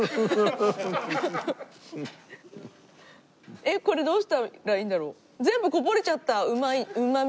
えっこれどうしたらいいんだろう？